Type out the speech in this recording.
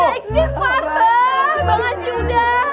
ada eksperimen pak ji udah